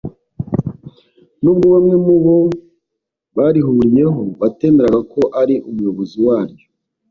n’ubwo bamwe mu bo barihuriyeho batemeraga ko ari umuyobozi waryo